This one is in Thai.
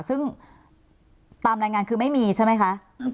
ซึ่งตามรายงานคือไม่มีใช่ไหมคะ